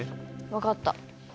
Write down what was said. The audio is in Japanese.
分かった。